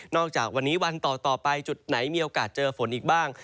นอกจากวันต่อไปจุดไหนมีโอกาสเจอฝนอีกบ้าง